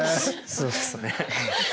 そうですね。